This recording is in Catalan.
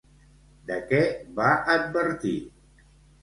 De què va advertir?